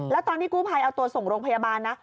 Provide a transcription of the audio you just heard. แล้วตอนที่กู้ภัยเอาตัวส่งโรงพยาบาลนะ